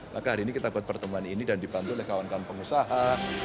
maka hari ini kita buat pertemuan ini dan dibantu oleh kawan kawan pengusaha